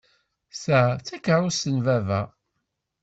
Ta d takerrust n baba.